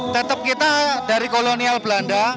tetap kita dari kolonial belanda